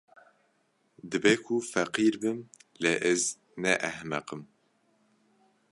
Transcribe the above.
Dibe ku feqîr bim, lê ez ne ehmeq im.